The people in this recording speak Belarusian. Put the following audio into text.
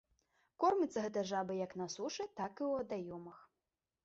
Корміцца гэта жаба як на сушы, так і ў вадаёмах.